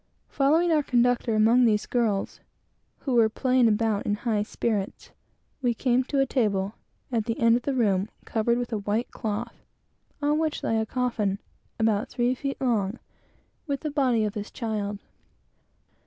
Following our conductor through all these girls, who were playing about in high spirits, we came to a table, at the end of the room, covered with a white cloth, on which lay a coffin, about three feet long, with the body of his child.